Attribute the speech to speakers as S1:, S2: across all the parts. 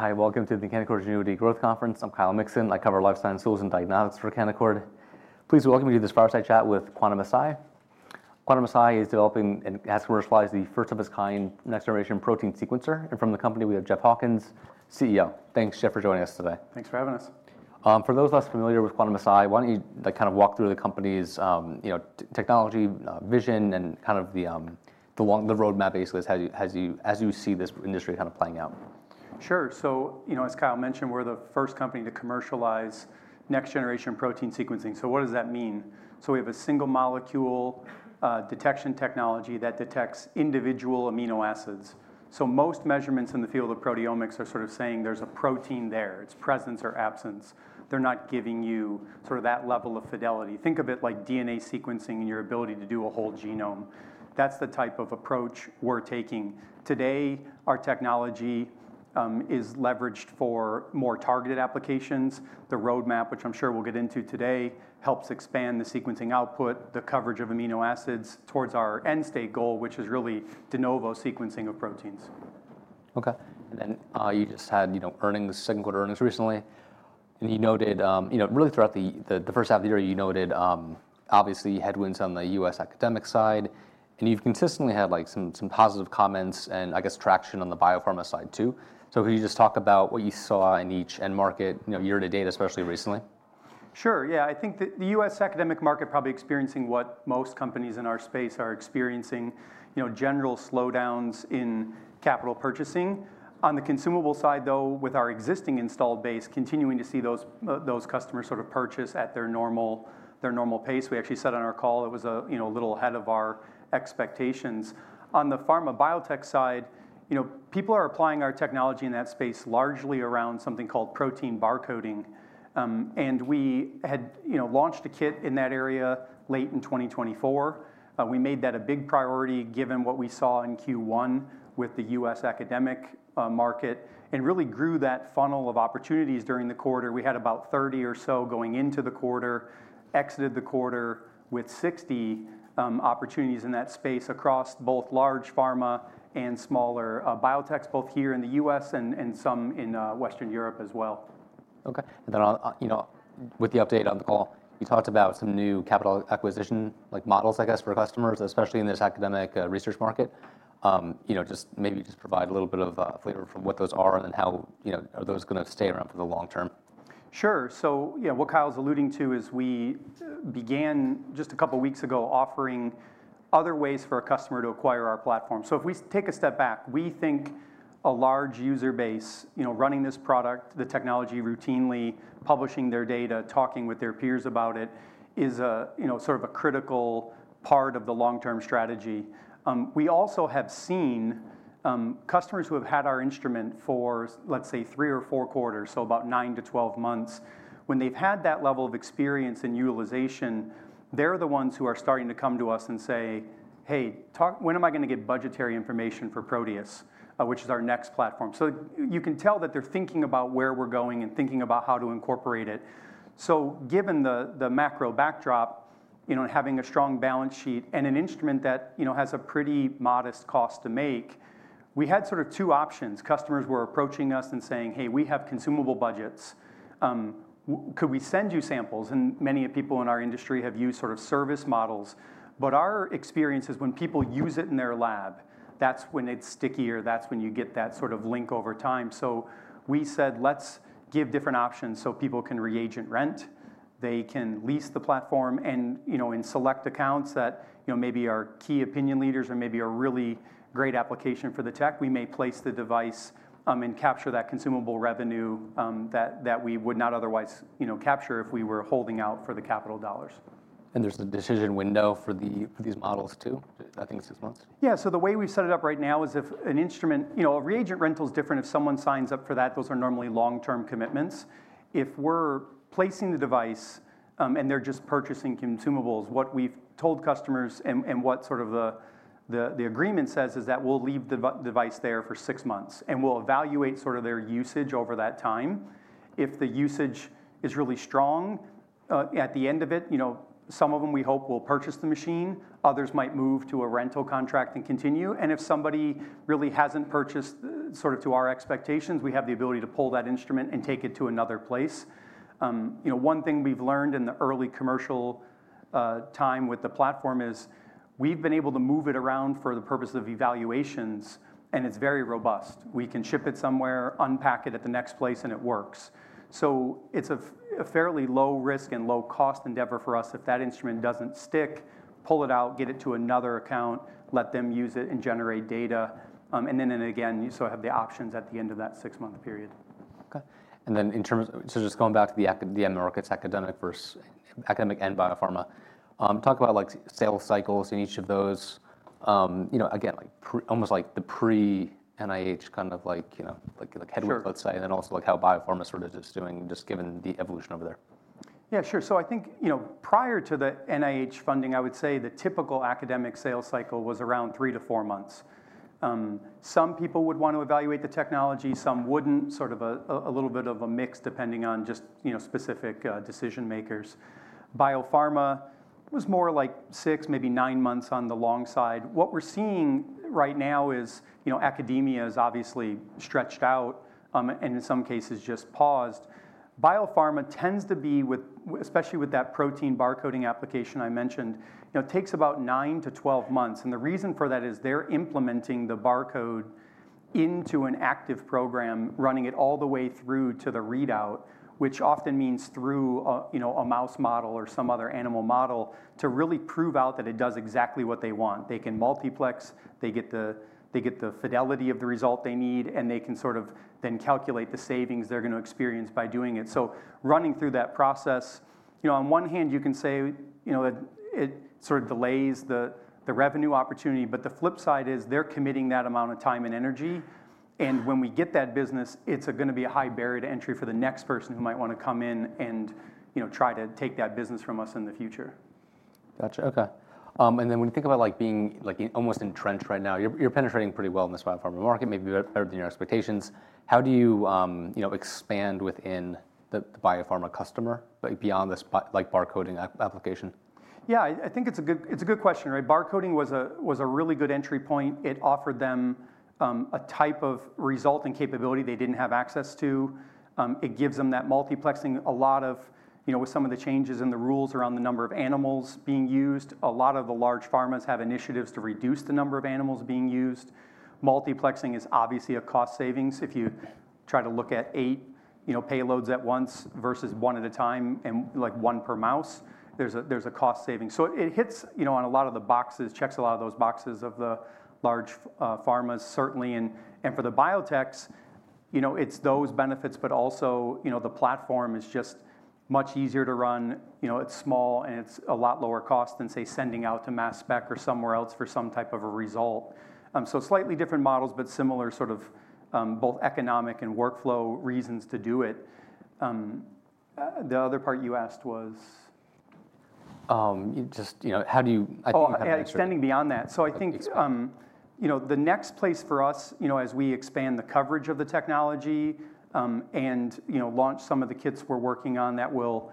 S1: Hi, welcome to the Canaccord Genuity growth conference. I'm Kyle Mikson. I cover Life Science Tools and Diagnostics for Canaccord. Please welcome you to this fireside chat with Quantum-Si. Quantum-Si is developing and has commercialized the first of its kind next-generation protein sequencer. From the company, we have Jeff Hawkins, CEO. Thanks, Jeff, for joining us today.
S2: Thanks for having us.
S1: For those of us familiar with Quantum-Si, why don't you walk through the company's technology vision and the roadmap, basically, as you see this industry playing out?
S2: Sure. As Kyle mentioned, we're the first company to commercialize next-generation protein sequencing. What does that mean? We have a single-molecule detection technology that detects individual amino acids. Most measurements in the field of proteomics are sort of saying there's a protein there, its presence or absence. They're not giving you that level of fidelity. Think of it like DNA sequencing and your ability to do a whole genome. That's the type of approach we're taking. Today, our technology is leveraged for more targeted applications. The roadmap, which I'm sure we'll get into today, helps expand the sequencing output, the coverage of amino acids towards our end-state goal, which is really de novo sequencing of proteins.
S1: Okay. You just had earnings, the second quarter earnings recently. You noted, really throughout the first half of the year, you noted obviously headwinds on the U.S. academic side. You've consistently had some positive comments and I guess traction on the biopharma side too. Could you just talk about what you saw in each end market year to date, especially recently?
S2: Sure. Yeah, I think the U.S. academic market is probably experiencing what most companies in our space are experiencing, you know, general slowdowns in capital purchasing. On the consumable side, though, with our existing installed base, continuing to see those customers sort of purchase at their normal pace. We actually said on our call it was a little ahead of our expectations. On the pharma biotech side, you know, people are applying our technology in that space largely around something called protein barcoding. We had launched a kit in that area late in 2024. We made that a big priority given what we saw in Q1 with the U.S. academic market and really grew that funnel of opportunities during the quarter. We had about 30 or so going into the quarter, exited the quarter with 60 opportunities in that space across both large Pharma and smaller biotechs, both here, in the U.S., and some in Western Europe as well.
S1: Okay. With the update on the call, you talked about some new capital acquisition models, I guess for customers, especially in this academic research market. Maybe just provide a little bit of flavor for what those are and then how, you know, are those going to stay around for the long term?
S2: Sure. What Kyle's alluding to is we began just a couple of weeks ago offering other ways for a customer to acquire our platform. If we take a step back, we think a large user base, you know, running this product, the technology routinely, publishing their data, talking with their peers about it, is a, you know, sort of a critical part of the long-term strategy. We also have seen customers who have had our instrument for, let's say, three or four quarters, so about 9-12 months. When they've had that level of experience and utilization, they're the ones who are starting to come to us and say, "Hey, when am I going to get budgetary information for Proteus, which is our next platform?" You can tell that they're thinking about where we're going and thinking about how to incorporate it. Given the macro backdrop, you know, having a strong balance sheet and an instrument that, you know, has a pretty modest cost to make, we had sort of two options. Customers were approaching us and saying, "Hey, we have consumable budgets. Could we send you samples?" Many people in our industry have used sort of service models. Our experience is when people use it in their lab, that's when it's stickier. That's when you get that sort of link over time. We said, "Let's give different options so people can reagent rent, they can lease the platform, and, you know, in select accounts that, you know, maybe are key opinion leaders or maybe are really great application for the tech, we may place the device and capture that consumable revenue that we would not otherwise, you know, capture if we were holding out for the capital dollars.
S1: There's a decision window for these models too, I think six months?
S2: Yeah, so the way we've set it up right now is if an instrument, you know, a reagent rental is different if someone signs up for that. Those are normally long-term commitments. If we're placing the device and they're just purchasing consumables, what we've told customers and what the agreement says is that we'll leave the device there for six months and we'll evaluate their usage over that time. If the usage is really strong at the end of it, some of them we hope will purchase the machine, others might move to a rental contract and continue. If somebody really hasn't purchased to our expectations, we have the ability to pull that instrument and take it to another place. One thing we've learned in the early commercial time with the platform is we've been able to move it around for the purpose of evaluations, and it's very robust. We can ship it somewhere, unpack it at the next place, and it works. It's a fairly low risk and low cost endeavor for us if that instrument doesn't stick, pull it out, get it to another account, let them use it and generate data. You still have the options at the end of that six-month period.
S1: Okay. In terms of, just going back to the end markets, academic and biopharma, talk about sales cycles in each of those, you know, almost like the pre-NIH kind of headwind, let's say, and then also how biopharma sort of is doing, just given the evolution over there.
S2: Yeah, sure. I think, prior to the NIH funding, I would say the typical academic sales cycle was around three to four months. Some people would want to evaluate the technology, some wouldn't, sort of a little bit of a mix depending on just specific decision makers. biopharma was more like six, maybe nine months on the long side. What we're seeing right now is Academia is obviously stretched out and in some cases just paused. biopharma tends to be with, especially with that protein barcoding application I mentioned, it takes about 9-12 months. The reason for that is they're implementing the barcode into an active program, running it all the way through to the readout, which often means through a mouse model or some other animal model to really prove out that it does exactly what they want. They can multiplex, they get the fidelity of the result they need, and they can then calculate the savings they're going to experience by doing it. Running through that process, on one hand, you can say that it sort of delays the revenue opportunity, but the flip side is they're committing that amount of time and energy. When we get that business, it's going to be a high barrier to entry for the next person who might want to come in and try to take that business from us in the future.
S1: Gotcha. Okay. When you think about being almost entrenched right now, you're penetrating pretty well in this biopharma market, maybe better than your expectations. How do you expand within the biopharma customer beyond this barcoding application?
S2: Yeah, I think it's a good question. Barcoding was a really good entry point. It offered them a type of result and capability they didn't have access to. It gives them that multiplexing. With some of the changes in the rules around the number of animals being used, a lot of the large Pharmas have initiatives to reduce the number of animals being used. Multiplexing is obviously a cost savings. If you try to look at eight payloads at once versus one at a time and like one per mouse, there's a cost saving. It checks a lot of those boxes of the large Pharmas certainly. For the biotechs, it's those benefits, but also the platform is just much easier to run. It's small and it's a lot lower cost than, say, sending out to Mass Spec or somewhere else for some type of a result. Slightly different models, but similar sort of both economic and workflow reasons to do it. The other part you asked was just how do you, I think extending beyond that. I think the next place for us, as we expand the coverage of the technology and launch some of the kits we're working on that will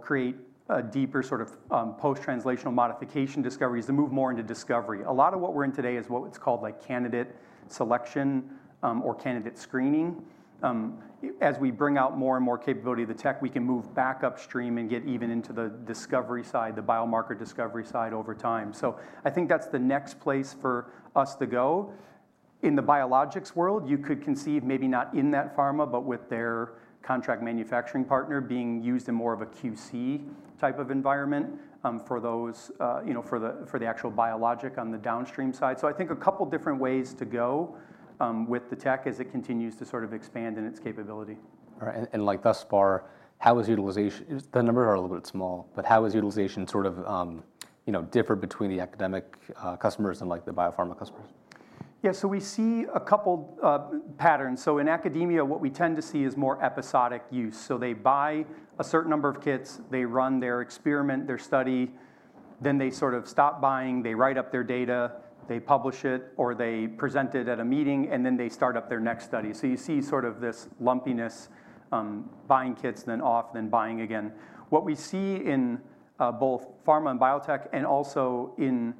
S2: create a deeper sort of post-translational modification discoveries and move more into discovery. A lot of what we're in today is what's called like candidate selection or candidate screening. As we bring out more and more capability of the tech, we can move back upstream and get even into the discovery side, the biomarker discovery side over time. I think that's the next place for us to go. In the biologics world, you could conceive maybe not in that Pharma, but with their contract manufacturing partner being used in more of a QC type of environment for those, for the actual biologic on the downstream side. I think a couple of different ways to go with the tech as it continues to sort of expand in its capability.
S1: All right. Thus far, how is utilization? The numbers are a little bit small, but how is utilization different between the academic customers and the biopharma customers?
S2: Yeah, so we see a couple of patterns. In Academia, what we tend to see is more episodic use. They buy a certain number of kits, they run their experiment, their study, then they sort of stop buying, they write up their data, they publish it, or they present it at a meeting, and then they start up their next study. You see this lumpiness, buying kits, then off, then buying again. What we see in both pharma and biotech, and also in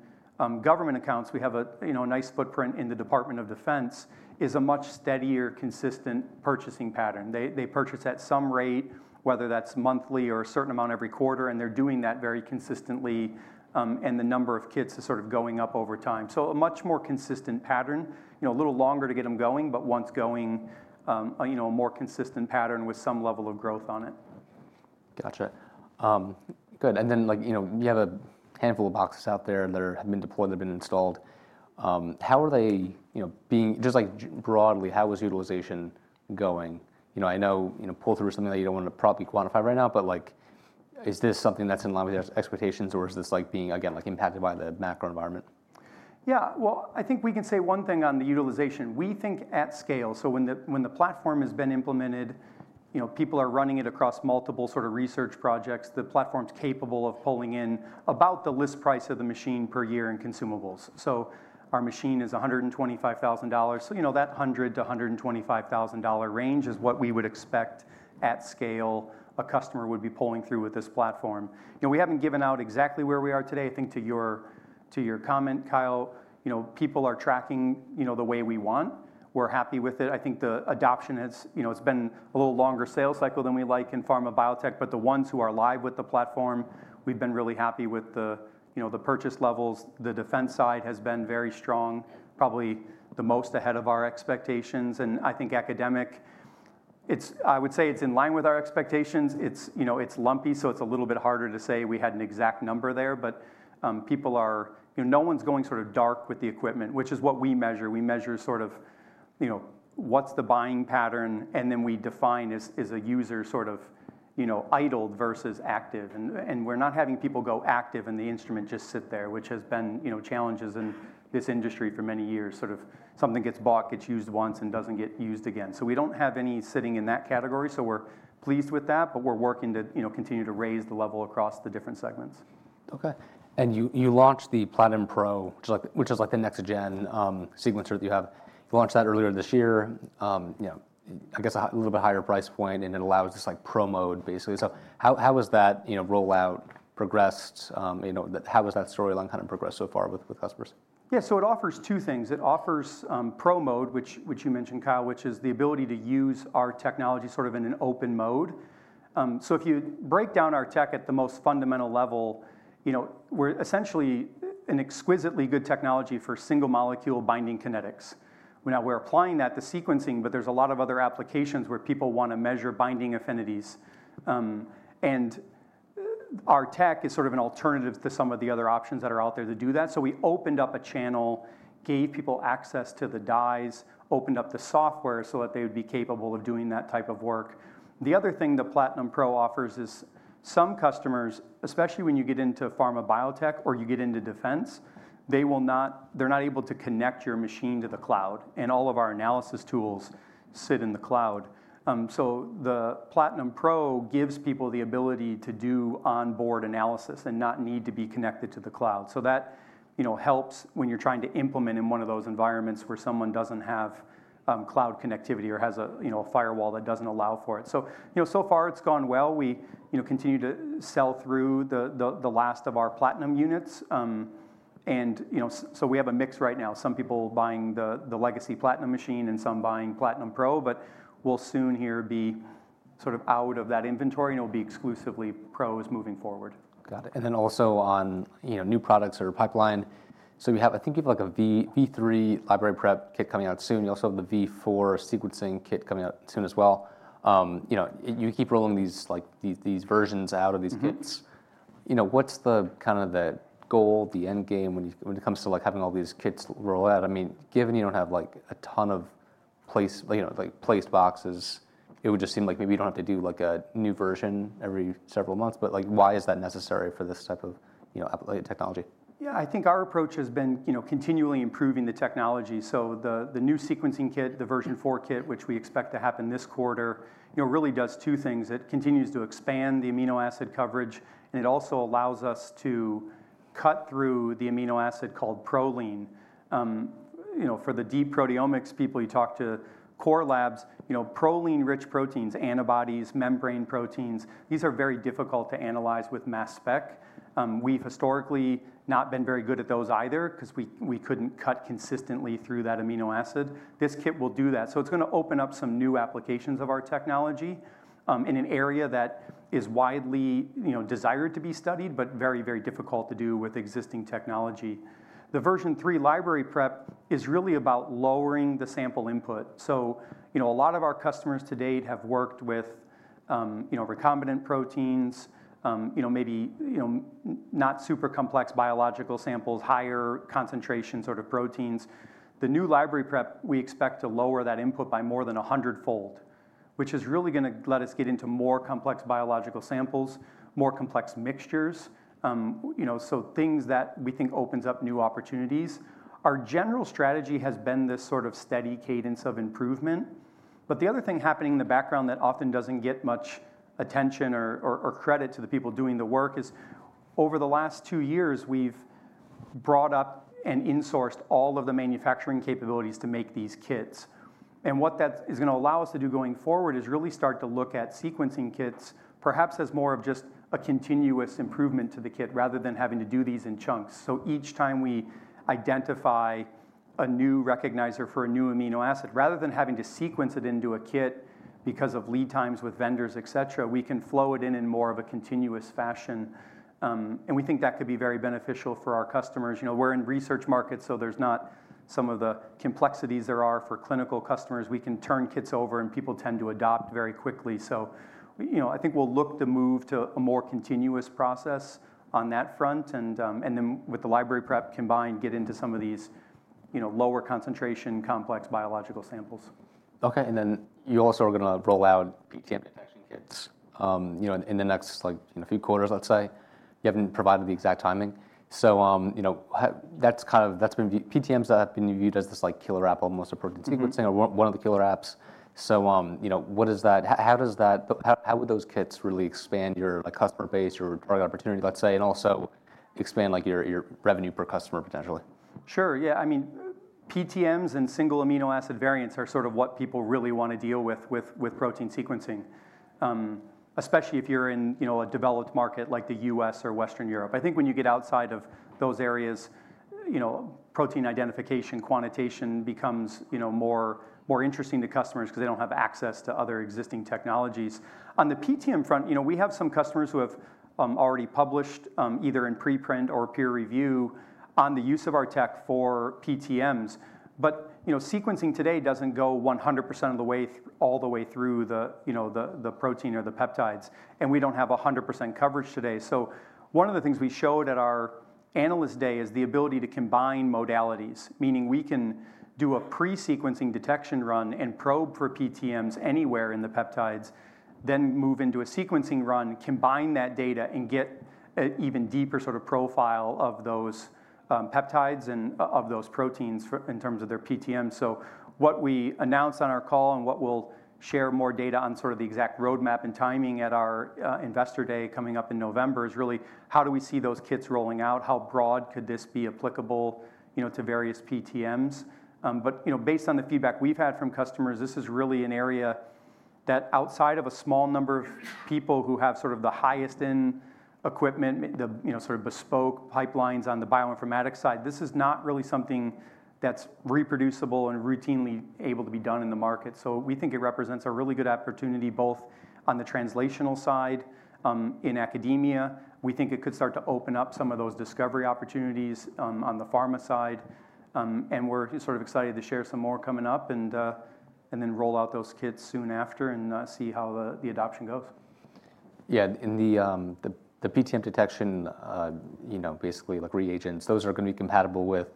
S2: government accounts, we have a nice footprint in the Department of Defense, is a much steadier, consistent purchasing pattern. They purchase at some rate, whether that's monthly or a certain amount every quarter, and they're doing that very consistently, and the number of kits is going up over time. A much more consistent pattern, a little longer to get them going, but once going, a more consistent pattern with some level of growth on it.
S1: Got you. Good. You have a handful of boxes out there that have been deployed, they've been installed. How are they, you know, being, just broadly, how is utilization going? I know, you know, pull through is something that you don't want to probably quantify right now, but is this something that's in line with your expectations, or is this being, again, impacted by the macro environment?
S2: Yeah, I think we can say one thing on the utilization. We think at scale, when the platform has been implemented, people are running it across multiple sort of research projects. The platform's capable of pulling in about the list price of the machine per year in consumables. Our machine is $125,000. That $100,000-$125,000 range is what we would expect at scale a customer would be pulling through with this platform. We haven't given out exactly where we are today. I think to your comment, Kyle, people are tracking the way we want. We're happy with it. I think the adoption has been a little longer sales cycle than we like in pharma biotech, but the ones who are live with the platform, we've been really happy with the purchase levels. The defense side has been very strong, probably the most ahead of our expectations. I think academic, I would say it's in line with our expectations. It's lumpy, so it's a little bit harder to say we had an exact number there, but people are, no one's going sort of dark with the equipment, which is what we measure. We measure what's the buying pattern, and then we define as a user idled versus active. We're not having people go active and the instrument just sit there, which has been challenges in this industry for many years. Something gets bought, gets used once and doesn't get used again. We don't have any sitting in that category, so we're pleased with that, but we're working to continue to raise the level across the different segments.
S1: Okay. You launched the Platinum Pro, which is like the next-gen sequencer that you have. You launched that earlier this year, a little bit higher price point, and it allows this pro mode, basically. How has that rollout progressed? How has that storyline kind of progressed so far with customers?
S2: Yeah, so it offers two things. It offers Pro mode, which you mentioned, Kyle, which is the ability to use our technology sort of in an open mode. If you break down our tech at the most fundamental level, you know, we're essentially an exquisitely good technology for single-molecule binding kinetics. Now we're applying that to sequencing, but there's a lot of other applications where people want to measure binding affinities. Our tech is sort of an alternative to some of the other options that are out there to do that. We opened up a channel, gave people access to the dyes, opened up the software so that they would be capable of doing that type of work. The other thing the Platinum Pro offers is some customers, especially when you get into pharma biotech or you get into defense, they will not, they're not able to connect your machine to the cloud, and all of our analysis tools sit in the cloud. The Platinum Pro gives people the ability to do onboard analysis and not need to be connected to the cloud. That helps when you're trying to implement in one of those environments where someone doesn't have cloud connectivity or has a firewall that doesn't allow for it. So far it's gone well. We continue to sell through the last of our Platinum units, and we have a mix right now. Some people buying the Legacy Platinum machine and some buying Platinum Pro, but we'll soon here be sort of out of that inventory, and it'll be exclusively pros moving forward.
S1: Got it. Also, on new products or pipeline, I think you have like a V3 Library Prep Kit coming out soon. You also have the V4 Sequencing Kit coming out soon as well. You keep rolling these versions out of these kits. What's the kind of the goal, the end game when it comes to having all these kits roll out? I mean, given you don't have like a ton of placed boxes, it would just seem like maybe you don't have to do a new version every several months, but why is that necessary for this type of technology?
S2: Yeah, I think our approach has been continually improving the technology. The new sequencing kit, the Version 4 Kit, which we expect to happen this quarter, really does two things. It continues to expand the amino acid coverage, and it also allows us to cut through the amino acid called proline. For the deep proteomics people, you talk to core labs, proline-rich proteins, antibodies, membrane proteins, these are very difficult to analyze with mass spec. We've historically not been very good at those either because we couldn't cut consistently through that amino acid. This kit will do that. It's going to open up some new applications of our technology in an area that is widely desired to be studied, but very, very difficult to do with existing technology. The Version 3 Library Prep is really about lowering the sample input. A lot of our customers to date have worked with recombinant proteins, maybe not super complex biological samples, higher concentration sort of proteins. The new library prep, we expect to lower that input by more than a hundredfold, which is really going to let us get into more complex biological samples, more complex mixtures, things that we think opens up new opportunities. Our general strategy has been this sort of steady cadence of improvement. The other thing happening in the background that often doesn't get much attention or credit to the people doing the work is over the last two years, we've brought up and insourced all of the manufacturing capabilities to make these kits. What that is going to allow us to do going forward is really start to look at sequencing kits, perhaps as more of just a continuous improvement to the kit rather than having to do these in chunks. Each time we identify a new recognizer for a new amino acid, rather than having to sequence it into a kit because of lead times with vendors, et cetera, we can flow it in in more of a continuous fashion. We think that could be very beneficial for our customers. We're in research markets, so there's not some of the complexities there are for clinical customers. We can turn kits over and people tend to adopt very quickly. I think we'll look to move to a more continuous process on that front and then with the library prep combined, get into some of these lower concentration complex biological samples.
S1: Okay. You also are going to roll out PTM detection kits in the next few quarters, let's say. You haven't provided the exact timing. That's been PTMs that have been viewed as this killer app on most protein sequencing or one of the killer apps. What is that? How does that, how would those kits really expand your customer base or product opportunity, let's say, and also expand your revenue per customer potentially?
S2: Sure. Yeah. I mean, PTMs and single amino acid variants are sort of what people really want to deal with, with protein sequencing, especially if you're in, you know, a developed market like the U.S. or Western Europe. I think when you get outside of those areas, protein identification quantitation becomes more interesting to customers because they don't have access to other existing technologies. On the PTM front, we have some customers who have already published either in pre-print or peer review on the use of our tech for PTMs. Sequencing today doesn't go 100% of the way all the way through the protein or the peptides, and we don't have 100% coverage today. One of the things we showed at our analyst day is the ability to combine modalities, meaning we can do a pre-sequencing detection run and probe for PTMs anywhere in the peptides, then move into a sequencing run, combine that data and get an even deeper sort of profile of those peptides and of those proteins in terms of their PTMs. What we announced on our call and what we'll share more data on, sort of the exact roadmap and timing at our investor day coming up in November, is really how do we see those kits rolling out? How broad could this be applicable to various PTMs? Based on the feedback we've had from customers, this is really an area that outside of a small number of people who have sort of the highest end equipment, the sort of bespoke pipelines on the bioinformatics side, this is not really something that's reproducible and routinely able to be done in the market. We think it represents a really good opportunity both on the translational side in Academia. We think it could start to open up some of those discovery opportunities on the Pharma side. We're sort of excited to share some more coming up and then roll out those kits soon after and see how the adoption goes.
S1: Yeah, in the PTM detection, basically like reagents, those are going to be compatible with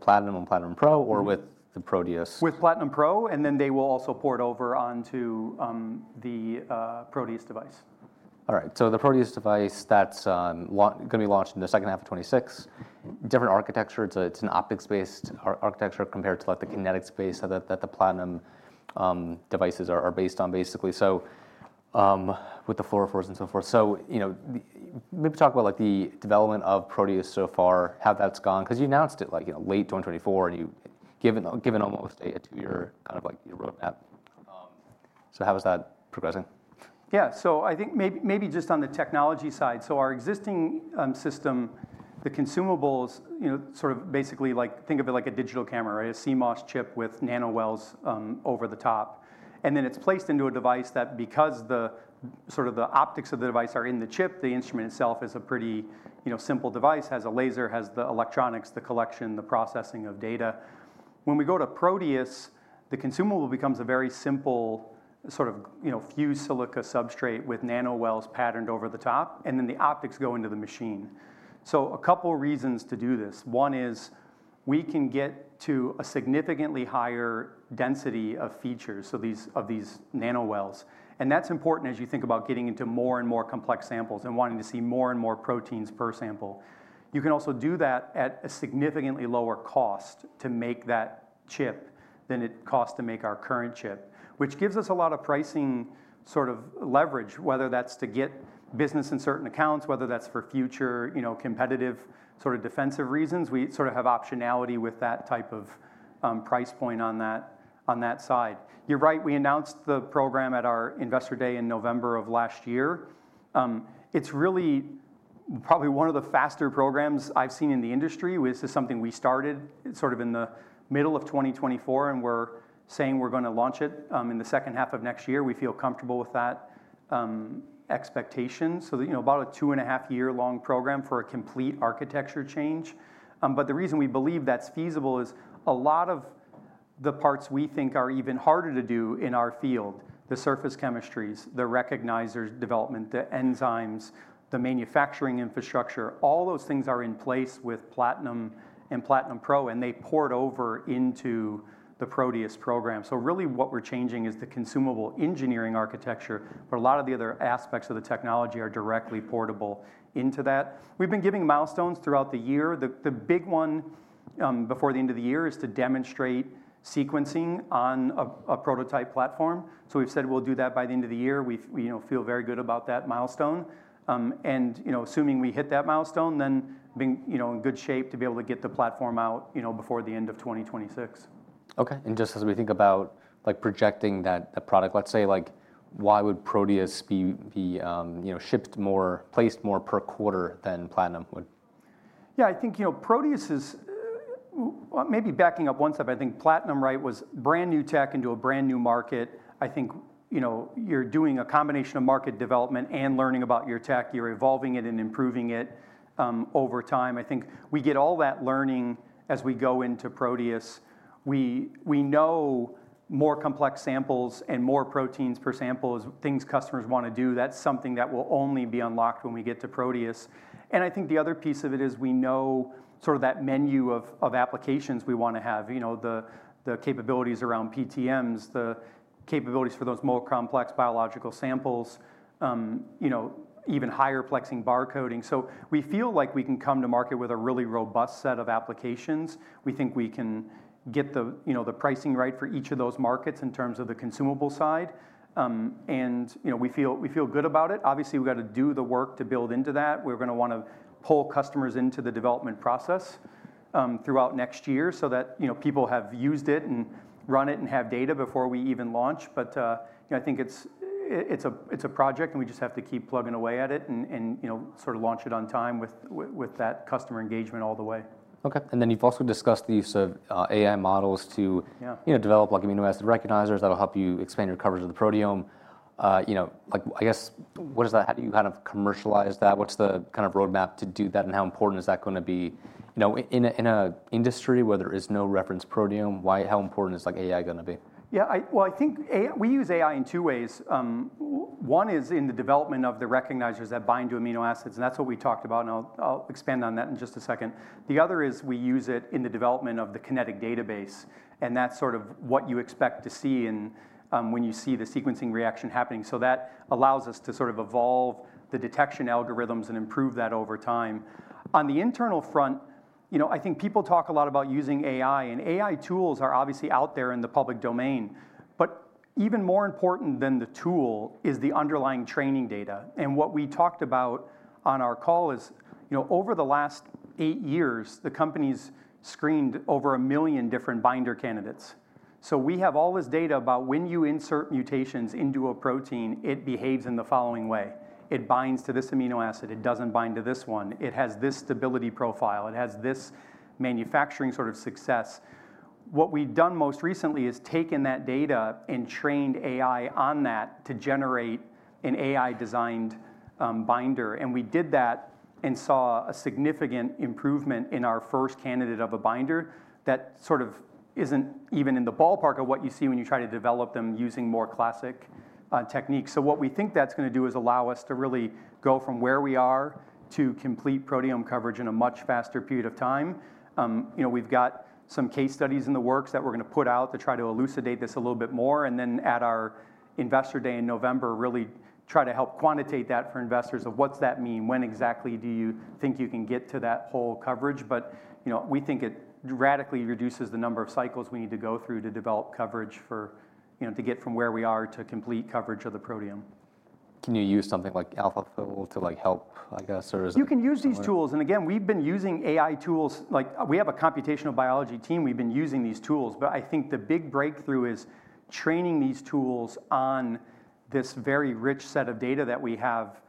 S1: Platinum and Platinum Pro or with the Proteus.
S2: With Platinum Pro, and then they will also port over onto the Proteus device.
S1: All right, so the Proteus device that's going to be launched in the second half of 2026, different architecture. It's an optics-based architecture compared to the kinetic space that the Platinum devices are based on, basically, with the fluorophores and so forth. Maybe talk about the development of Proteus so far, how that's gone, because you announced it late 2024 and you've given almost a two-year kind of your roadmap. How is that progressing?
S2: Yeah, so I think maybe just on the technology side. Our existing system, the consumables, you know, sort of basically like think of it like a digital camera, right? A CMOS chip with nanowells over the top. Then it's placed into a device that, because the optics of the device are in the chip, the instrument itself is a pretty, you know, simple device, has a laser, has the electronics, the collection, the processing of data. When we go to Proteus, the consumable becomes a very simple sort of, you know, fused silica substrate with nanowells patterned over the top, and then the optics go into the machine. A couple of reasons to do this. One is we can get to a significantly higher density of features of these nanowells. That's important as you think about getting into more and more complex samples and wanting to see more and more proteins per sample. You can also do that at a significantly lower cost to make that chip than it costs to make our current chip, which gives us a lot of pricing sort of leverage, whether that's to get business in certain accounts, whether that's for future, you know, competitive sort of defensive reasons. We sort of have optionality with that type of price point on that side. You're right. We announced the program at our investor day in November of last year. It's really probably one of the faster programs I've seen in the industry. This is something we started sort of in the middle of 2024, and we're saying we're going to launch it in the second half of next year. We feel comfortable with that expectation. About a 2.5 year long program for a complete architecture change. The reason we believe that's feasible is a lot of the parts we think are even harder to do in our field, the surface chemistries, the recognizers development, the enzymes, the manufacturing infrastructure, all those things are in place with Platinum and Platinum Pro, and they poured over into the Proteus program. Really what we're changing is the consumable engineering architecture, but a lot of the other aspects of the technology are directly portable into that. We've been giving milestones throughout the year. The big one before the end of the year is to demonstrate sequencing on a prototype platform. We've said we'll do that by the end of the year. We, you know, feel very good about that milestone. Assuming we hit that milestone, then being, you know, in good shape to be able to get the platform out, you know, before the end of 2026.
S1: Okay. Just as we think about projecting that the product, let's say like, why would Proteus be, you know, shipped more, placed more per quarter than Platinum would?
S2: Yeah, I think, you know, Proteus is maybe backing up one step. I think Platinum, right, was brand new tech into a brand new market. I think, you know, you're doing a combination of market development and learning about your tech. You're evolving it and improving it over time. I think we get all that learning as we go into Proteus. We know more complex samples and more proteins per sample is things customers want to do. That's something that will only be unlocked when we get to Proteus. I think the other piece of it is we know sort of that menu of applications we want to have, you know, the capabilities around PTMs, the capabilities for those more complex biological samples, you know, even higher plexing barcoding. We feel like we can come to market with a really robust set of applications. We think we can get the, you know, the pricing right for each of those markets in terms of the consumable side. You know, we feel good about it. Obviously, we've got to do the work to build into that. We're going to want to pull customers into the development process throughout next year so that, you know, people have used it and run it and have data before we even launch. I think it's a project and we just have to keep plugging away at it and, you know, sort of launch it on time with that customer engagement all the way.
S1: Okay. You've also discussed the use of AI models to develop like amino acid recognizers that'll help you expand your coverage of the proteome. I guess what is that? How do you kind of commercialize that? What's the kind of roadmap to do that and how important is that going to be in an industry where there is no reference proteome? How important is like AI going to be?
S2: Yeah, I think we use AI in two ways. One is in the development of the recognizers that bind to amino acids, and that's what we talked about. I'll expand on that in just a second. The other is we use it in the development of the kinetic database, and that's sort of what you expect to see when you see the sequencing reaction happening. That allows us to sort of evolve the detection algorithms and improve that over time. On the internal front, I think people talk a lot about using AI, and AI tools are obviously out there in the public domain. Even more important than the tool is the underlying training data. What we talked about on our call is, over the last eight years, the company's screened over 1 million different binder candidates. We have all this data about when you insert mutations into a protein, it behaves in the following way. It binds to this amino acid, it doesn't bind to this one, it has this stability profile, it has this manufacturing sort of success. What we've done most recently is taken that data and trained AI on that to generate an AI-designed binder. We did that and saw a significant improvement in our first candidate of a binder that sort of isn't even in the ballpark of what you see when you try to develop them using more classic techniques. What we think that's going to do is allow us to really go from where we are to complete proteome coverage in a much faster period of time. We've got some case studies in the works that we're going to put out to try to elucidate this a little bit more. At our investor day in November, really try to help quantitate that for investors of what's that mean, when exactly do you think you can get to that whole coverage. We think it radically reduces the number of cycles we need to go through to develop coverage for, to get from where we are to complete coverage of the proteome.
S1: Can you use something like AlphaFold to help, I guess, or is it?
S2: You can use these tools. We've been using AI tools, like we have a computational biology team, we've been using these tools, but I think the big breakthrough is training these tools on this very rich set of data that we have,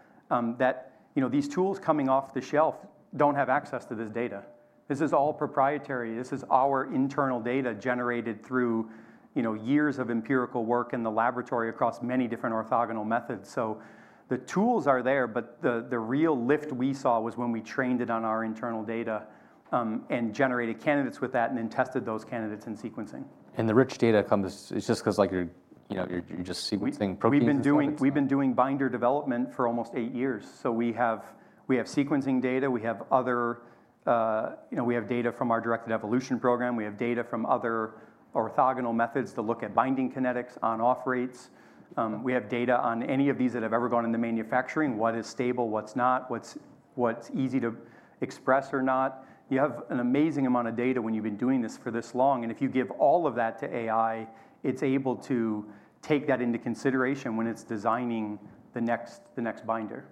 S2: that, you know, these tools coming off the shelf don't have access to this data. This is all proprietary. This is our internal data generated through years of empirical work in the laboratory across many different orthogonal methods. The tools are there, but the real lift we saw was when we trained it on our internal data and generated candidates with that and then tested those candidates in sequencing.
S1: The rich data comes, it's just because you're, you know, you're just sequencing proteins.
S2: We've been doing binder development for almost eight years. We have sequencing data, we have other data from our directed evolution program, we have data from other orthogonal methods to look at binding kinetics on off rates. We have data on any of these that have ever gone into manufacturing, what is stable, what's not, what's easy to express or not. You have an amazing amount of data when you've been doing this for this long. If you give all of that to AI, it's able to take that into consideration when it's designing the next binder.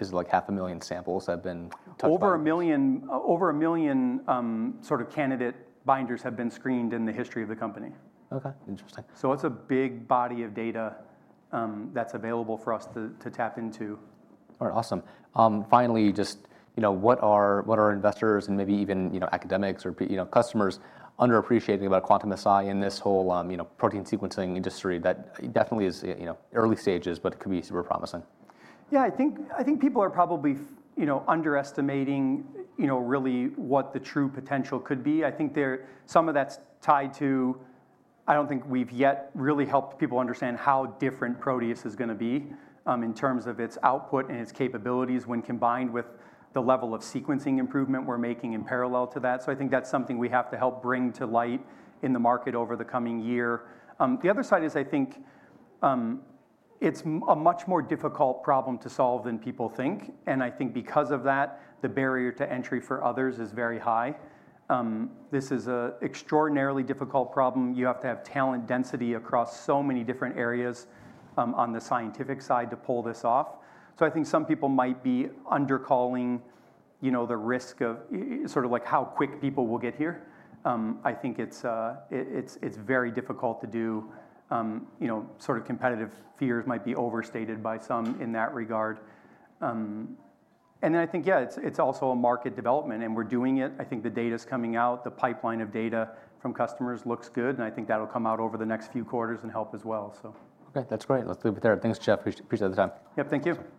S1: Is it like 0.5 million samples have been?
S2: Over a million, over a million sort of candidate binders have been screened in the history of the company.
S1: Okay, interesting.
S2: It's a big body of data that's available for us to tap into.
S1: All right, awesome. Finally, just what are investors and maybe even academics or customers underappreciating about Quantum-Si in this whole protein sequencing industry that definitely is early stages, but it could be super promising.
S2: Yeah, I think people are probably, you know, underestimating, you know, really what the true potential could be. I think some of that's tied to, I don't think we've yet really helped people understand how different Proteus is going to be in terms of its output and its capabilities when combined with the level of sequencing improvement we're making in parallel to that. I think that's something we have to help bring to light in the market over the coming year. The other side is I think it's a much more difficult problem to solve than people think. I think because of that, the barrier to entry for others is very high. This is an extraordinarily difficult problem. You have to have talent density across so many different areas on the scientific side to pull this off. I think some people might be undercalling, you know, the risk of sort of like how quick people will get here. I think it's very difficult to do, you know, sort of competitive fears might be overstated by some in that regard. I think it's also a market development and we're doing it. I think the data's coming out, the pipeline of data from customers looks good, and I think that'll come out over the next few quarters and help as well.
S1: Okay, that's great. Let's leave it there. Thanks, Jeff. Appreciate the time.
S2: Yep, thank you.